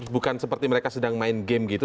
bukan seperti mereka sedang main game gitu